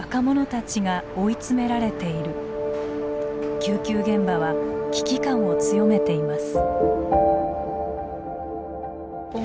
救急現場は危機感を強めています。